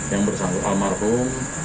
yang bersangkutan almarhum